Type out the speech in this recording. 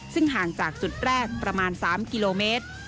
ซึ่งห่างจากจุดแรกประมาณ๓กิโลเมตร